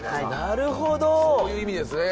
なるほどそういう意味ですね